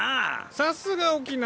さすが沖縄。